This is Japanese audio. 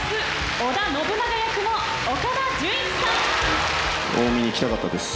織田信長役の岡田准一さん。